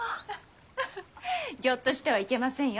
フフギョッとしてはいけませんよ。